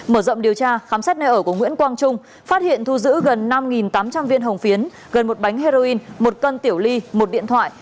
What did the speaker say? mở rộng điều tra khám xét nơi ở của nguyễn quang trung phát hiện thu giữ gần năm tám trăm linh viên hồng phiến gần một bánh heroin một cân tiểu ly một điện thoại